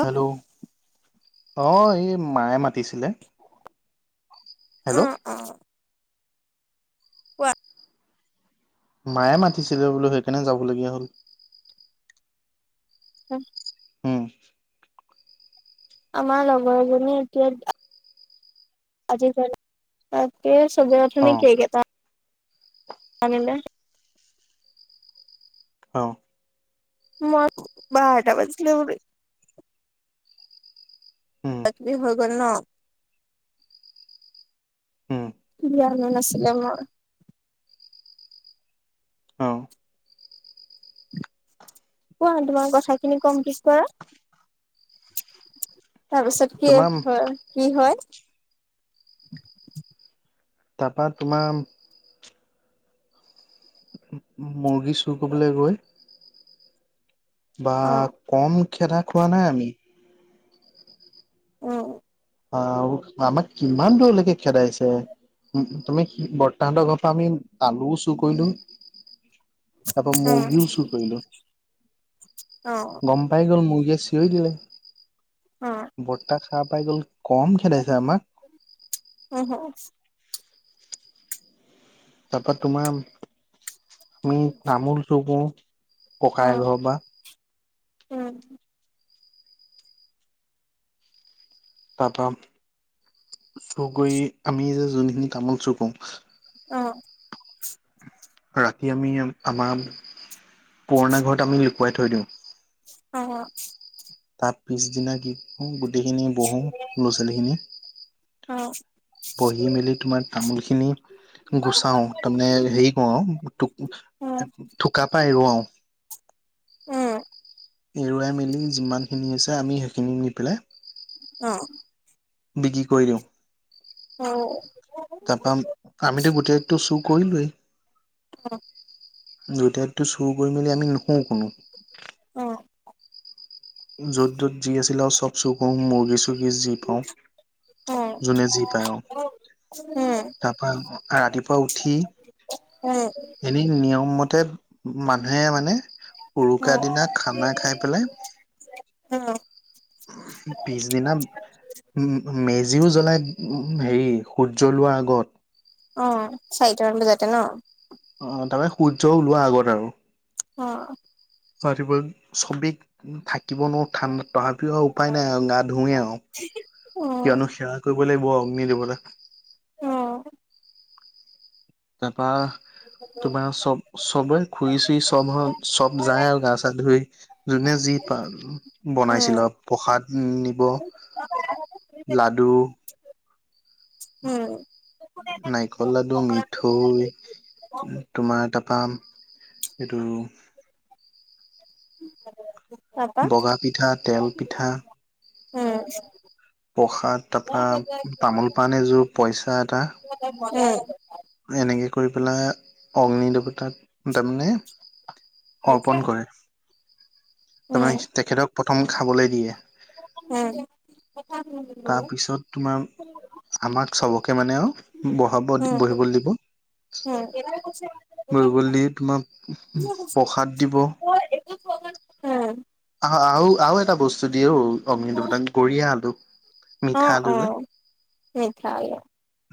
Hello অ এই মায়ে মাতিছিলে। হেল্ল'? অ', অ', কোৱা। মায়ে মাতিছিলে বোলো সেইকাৰণে যাব লগীয়া হ'ল। [unintelligible] উম আমাৰ লগৰজনী এতিয়া আজিকালি তাকে চবে অ আথনি কেক এটা আনিলে। অ মইট বাৰটা বাজিলে বুলি উম কিবা কিবি হৈ গ'ল ন। উম জ্ঞান নাছিলে মৰ। অ কোৱা তোমাৰ কথাখিনি কম কিছতা, তাপিছত কি তোমাৰ হয়? কি হয়? তা পা তোমাম মুৰ্গী চুৰ কৰিবলৈ গৈ বা অ'। কম খেদা খোৱা নাই আমি অ। আহ আমাক কিমান দূৰলৈকে খেদাইছে। উ তুমি বৰ্তাহতৰ ঘৰ পৰা আমি আলু চুৰ কৰিলো। তা পা উম মুৰ্গীও চুয় কৰিলো। অ। গম পাই গ'ল মুৰ্গীয়ে চিঞই দিলে। অ। বৰ্তা সা পাই গ'ল কম খেদাইছে আমাক। উম হু। তা পা তোমাৰ তুমি তামোল চুকও, অ ককাই ঘৰ পা উম। তা পা চু কৰি আমি যে যোনখিনি তামোল চুকও অ। ৰাতি আমি আমাৰ পুৰণা ঘৰত আমি লুকুৱাই থৈ দিওঁ। অ অ। তা পিছদিনা কি কৰো গোটেইখিনি বহো লো-ছোৱালীখিনি অ। বহি মেলি তোমাৰ তামোল খিনি গুচাও তাৰমানে হেৰি কউৱাউ থোক থোকা পা এৰুৱাও। উম। এৰুৱাই মেলি যিমানখিনি হৈছে আমি সেইখিনি নি পেলাই অ। বিকি কৰি দিওঁ। অও। তা পা আমিতো গোটেইটো চুৰ কৰিলোৱেই অ। দুটাইকটো চুৰ কৰি মেলি আমি নোশু কোনো। অ। য'ত য'ত যি আছিলে আও চব চোৰ কও মুৰ্গী চুৰ্গী যি পাওঁ। অ যোনে [unintelligible] উম তা পা ৰাতিপুৱা উঠি উম এনেই নিয়ম মতে মানুহে মানে উৰুকা উম দিনাত খানা খাই পেলাই উম পিছদিনা [unintelligible] মেজিও জ্বলাই উ উ হেৰি সূৰ্যলোৱাৰ আগত। অ চাৰিটামান বজাতে ন? অ তা পাই সূৰ্য ওলোৱা আগত আৰু। অ ত চবেই থাকিব নোৱাৰো ঠাণ্ডাত তথাপিও উপায় নাই আৰু গা ধোৱে আৰু অ কিয়নো সেৱা কৰিব লাগিব অগ্নি দেৱতা অ তাৰপৰা চব [unintelligible] চবে খুৰি চুই চব হ চব যায় আৰু গা চা ধুই যোনে যি প উম বনাইছিলে প্ৰসাদ নিব লাডু উম নাৰিকল লাডু মিঠৈ তোমাৰ তাৰপা সেইটো [unintelligible] বগাপিঠা তেল পিঠা [unintelligible] প্ৰসাদ তাৰপৰা তামোল পাণ এযোৰ পইচা এটা [unintelligible] এনেকে কৰি পেলাই অগ্নি দেৱতাক তাৰমানে অৰ্পণ কৰে উম উম তাৰমানে তেখেতক প্ৰথম খাবলৈ দিয়ে উম তাৰপিছত তোমাৰ আমাক চবকে মানে বহাব উম উম বহিবলৈ দিব বহিবলৈ দি তোমাক [unintelligible] প্ৰসাদ দিব [unintelligible] আহ আৰু আৰু এটা বস্তু দিয়ে ও অগ্নি উম দেৱতাক গৰিয়া আলু অ মিঠা আলু অ মিঠা আলু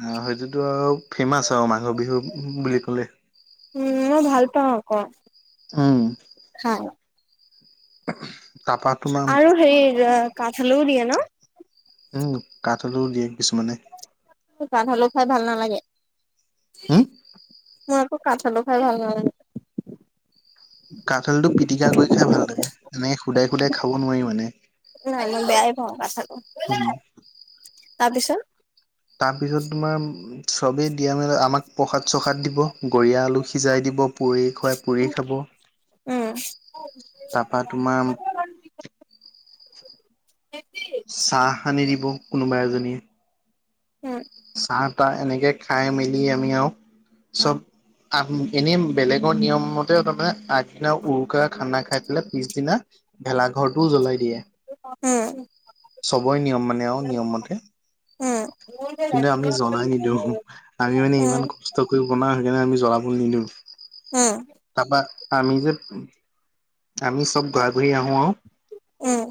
অ সেইটোতো আৰু ফেমাচ আৰু মাঘৰ বিহু বুলি ক'লে উমই ভাল পাওঁ আকৌ উম খাই তাৰপা তোমাৰ আৰু হেৰি কাঠ আলুও দিয়ে ন কাঠ আলু দিয়ে কিছুমানে কাঠ আলু খাই ভাল নালাগে। উম, মোৰ একো কাঠ আলু খাই ভাল লাগে। কাঠ আলু টো পিটিকা কৰি খাই ভাল লাগে এনেকে সুদাই শুদাই খাব নোৱাৰিম মানে নাই নাই বেয়াই পাওঁ কথাটো উম তাৰপিছত তাৰপিছত তোমাৰ চবেই দিয়া মেলে আমাক প্ৰসাদ চসাদ দিব গৰিয়া আলু সিজাই দিব পুৰি খুৱাই পুৰি খাব উম তাৰপা তোমাৰ চাহ সানি দিব কোনোবা এজনীয়ে উম চাহ তাহ এনেকৈ খাই মেলি আমি আৰু চব আ এনেই বেলেগৰ নিয়মতে তাৰমানে আগদিনা উৰুকাৰ খানা খাই পেলাই পিছদিনা ভেলাঘৰটোও জ্বলাই দিয়ে উম চবৰে নিয়ম মানে আৰু নিয়ম মতে উম কিন্তু আমি জনাই নিদিওঁ আমি মানে ইমান কষ্ট কৰি বনাওঁ সেই কাৰণে আমি জ্বলাবলৈ নিদিওঁ উম তাৰপা আমি যে আমি চব ঘৰা ঘৰি আহো আৰু উম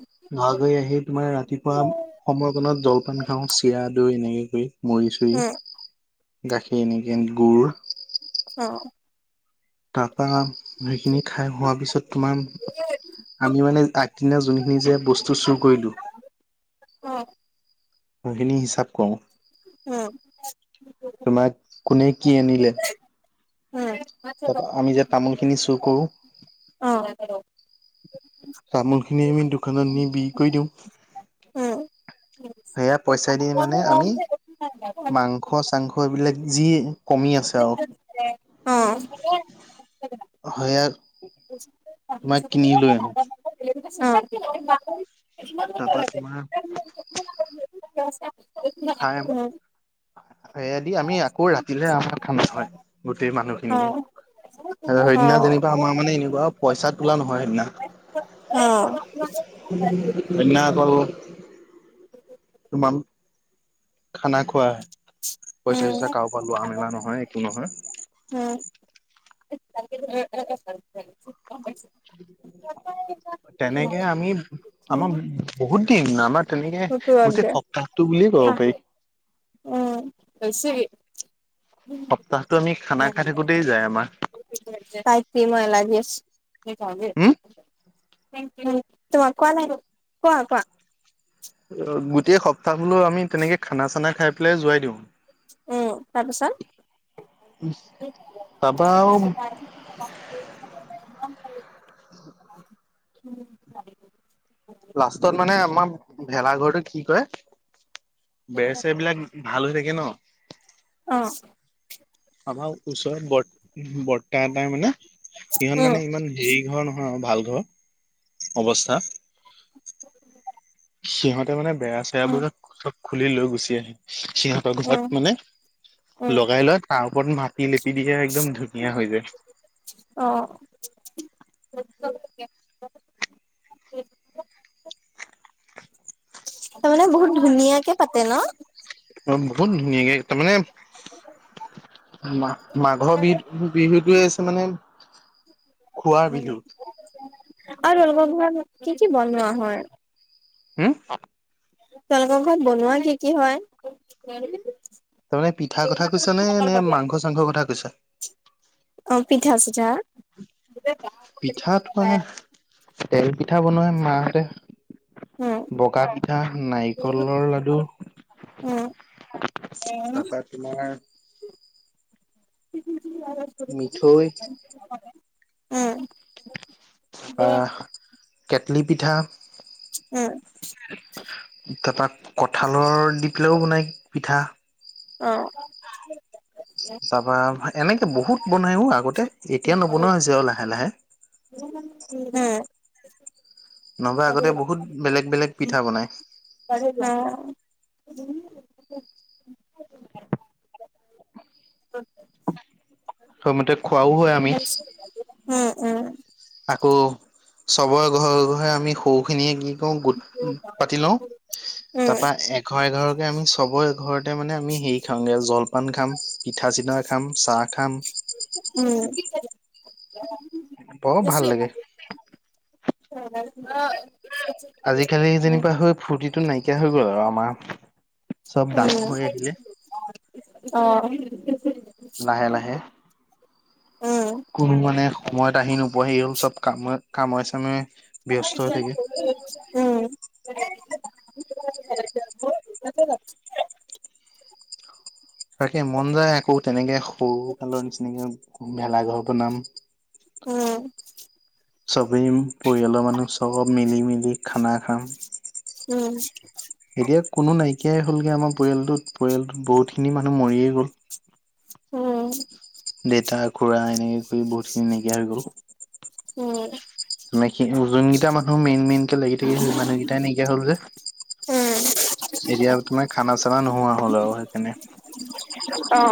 ঘৰা ঘৰি আহি তোমাৰ ৰাতিপুৱা সময়কণত জলপান খাওঁ চিৰা দৈ এনেকে কৰি মুৰিচুৰি উম উম গাখীৰ এনেকে গুৰ অ তাৰপা সেইখিনি খাই হোৱাৰ পিছত তোমাৰ আমি মানে আগদিনা যোনখিনি যে বস্তু চুৰ কৰিলো অ সেইখিনি হিচাপ কৰওঁ উম তোমাক কোনে কি আনিলে উম তাৰপা আমি যে তামোল খিনি চুৰ কৰো হয় হয় তামোল খিনি আমি দোকানত নি বিকি কৰি দিওঁ উম সেয়া পইচা দি মানে আমি মাংস মাংস চাংস এইবিলাক যি কমি আছে আৰু অ হয় তোমাক কিনি লৈ আহো তাৰপা অ তোমাৰ [unintelligible] খাই অ সেয়াদি আমি আকৌ ৰাতিহে আমাৰ ঠান্ডা হয় গোটেই অ', মানুহখিনি সেইদিনা অ', যেনিবা আমাৰ মানে এনেকুৱা পইচা তোলা নহয় সেইদিনা কইনা অকল তমান খানা খোৱাহে পইচা উম। চইচা কাৰোবাৰ লোৱা মেলা নহয় একো নহয় উম তাকে ত তেনেকে আমি আমাৰ বহুত দিন আমাৰ তেনেকে সেইটো বাদ গোটেই দে। সপ্তাহটো বুলিয়ে ক'ব পাৰি হৈছে সপ্তাহতো আমি খানা খাই থাকোতেই যায় আমাৰ কাইতি মই লাগি আছে হম? থ ই তোমাক কোৱা কোৱা কোৱা অ গোটেই সপ্তাহ হলেও আমি তেনেকে খানা চানা খাই পেলাই যোৱাই দিওঁ উম তাৰপিছত তাপা আও উম লাষ্টত মানে আমাৰ ভেলাঘৰটো কি কৰে বেৰ চেৰবিলাক ভাল হৈ থাকে ন অ আমাৰ ওচৰত বৰ বৰ তাৰ তাৰ মানে, ইহঁত উম, মানে ইমান হেৰি ঘৰ নহয় আৰু ভাল ঘৰ অৱস্থা। সিহঁতে মানে বেৰা উম, চেৰাবোৰ চব খুলি লৈ গুচি আহে। সিহঁতৰ উম, ঘৰত মানে উম, লগাই লয়, তাৰ ওপৰত মাটি লেপি দিয়ে, একদম ধুনীয়া হৈ যায়। অ', তাৰমানে বহুত ধুনীয়াকে পাতে ন! অ', বহুত ধুনীয়াকে, তাৰমানে মাঘৰ বিহুটোৱে আছে মানে- খোৱাৰ বিহু আৰু তোমালোকৰ ঘৰত কি কি বনোৱা হয়। হম্, তেওঁলোকৰ ঘৰত বনোৱা কি কি হয়। তাৰমানে পিঠাৰ কথা কৈছাঁ নে, নে মাংস চাংসৰ কথা কৈছাঁ। অ', পিঠা চিঠা। পিঠা তোমাৰ, তেল পিঠা বনাই মাহঁতে। উম, বগা পিঠা, নাৰিকলৰ লাডু, উম, তাৰপা তোমাৰ- কি? মিঠৈ, উম, তাৰপা কেটলি পিঠা, উম্, তাৰপা কঠালৰ দি পেলাইও বনাই পিঠা। অ', তাৰপা এনেকে বহুত বনাইও আগতে, এতিয়া নবনোৱা হৈছে আৰু লাহে লাহে। উম্, নহ'বা আগতে বহুত বেলেগ বেলেগ পিঠা বনায়। অ', প্ৰথমতে খোৱাও হয় আমি। উম্ উম্। আকৌ চবৰে ঘৰে ঘৰে আমি সৰু খিনিয়ে কি- কৰোঁ গোট পাতি লওঁ, তাৰপৰা এঘাৰ এঘৰকে আমি চবৰে- ঘৰতে মানে আমি হেৰি খাওঁগে, জলপান খাম, পিঠা চিঠা খাম, চাহ খাম। উম্, বৰ ভাল লাগে। হয়। আজিকালি যেনিবা সেই ফূৰ্তিটো নাইকিয়া হৈ গ'ল আৰু আমাৰ। চব ডাঙৰ উম্, হৈ আহিলে অ', লাহে লাহে। উম্, কোনো মানে সময়ত আহি নোপোৱাহি হ'ল, চব কামে চামে- ব্যস্ত হৈ থাকে। [inaudible] উম্, তাকে মন যায় আকৌ তেনেকে সৰু কালৰ নিচিনাকে ভেলাঘৰ বনাম, উম্, চবেই, পৰিয়ালৰ মানুহ চব মিলি মিলি খানা- খাম। উম্, এতিয়া কোনো নাইকিয়াই হ'লগে আমাৰ পৰিয়ালটোত পৰিয়ালটোত বহুতখিনি মানুহ মৰিয়ে গ'ল উম ডেতা খুৰা এনেক কৈ বহুত খিনি নাইকিয়া হৈ গ'ল যোনকেইটা মানুহ মেইন মেইন কে লাগি থাকে সেই মানুহকেইটাই নাইকিয়া হ'ল যে এতিয়া তোমাৰ খানা চানা নোহোৱা হ'ল আও সেইকাৰণে অ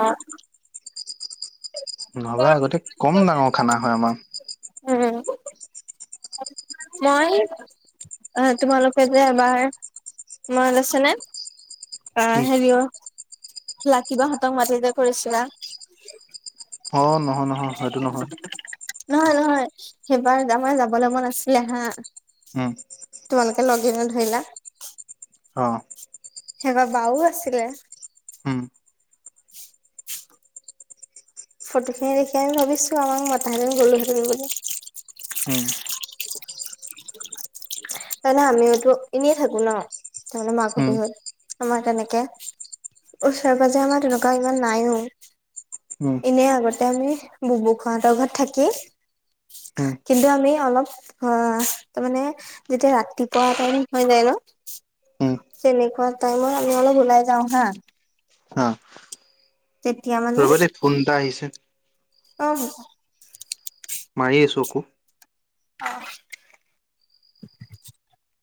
নহবা আগতে কম ডাঙৰ খানা হয় আমাৰ উম, মই অ তোমালোকে যে এবাৰ মত আছে নে আহ কি হেৰি অ' লাকিবাহঁতক মাতি যে কৰিছিলা অ নহয় নহয় সেইটো নহয় নহয় নহয় সেইবাৰ আমাৰ যাবলে মন আছিলে হা উম তোমালোকে লগে নধৰিলা অ সেইবা বাউ আছিলে হোম ফটো খিনি দেখি আমি ভাবিছো আমাক মতা হেতেন গ'লো হেতেন বুলি উম তাৰমানে আমিওতো এনেয়ে থাকো ন তাৰমানে মাঘ উম বিহুত আমাৰ তেনেকে ওচৰ পাজে আমাৰ তেনেকুৱা ইমান নায়ো উম এনেই আগতে আমি বোবো খুৰাহঁতৰ ঘৰত থাকি উম কিন্তু আমি অলপ আহ তাৰ মানে যেতিয়া ৰাতিপুৱা এ টাইম হৈ যায় ন উম তেনেকুৱা টাইমত আমি অলপ ওলাই যাওঁ হা অ তেতিয়া মানে ৰ'বা দেই ফোন এটা আহিছে অ হ'ব মাৰি আছোঁ আকো অ